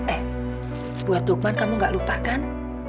eh buat lukman kamu gak lupa kan